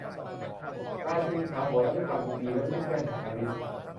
ราชินีขาวหัวเราะด้วยความยินดี และลูบแก้มของอลิซ